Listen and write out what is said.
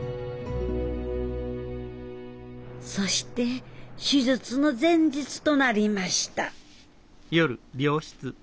そして手術の前日となりました